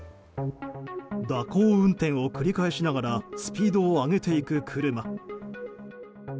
蛇行運転を繰り返しながらスピードを上げていく車。